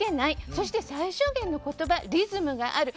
そして最小限の言葉、リズムがある。